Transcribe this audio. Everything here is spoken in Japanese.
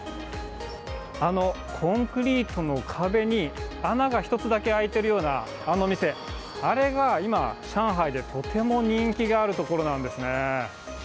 あのコンクリートの壁に、穴が１つだけ開いてるようなあの店、あれが今、上海でとても人気がある所なんですね。